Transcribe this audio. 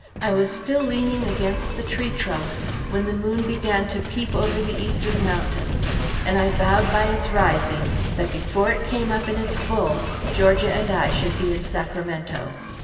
I was still leaning against the tree trunk when the moon began to peep over the eastern mountains, and I vowed by its rising that before it came up in its full, Georgia and I should be in Sacramento.